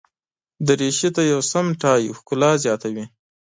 دریشي ته یو سم ټای ښکلا زیاتوي.